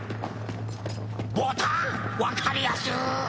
ボタン⁉分かりやすっ！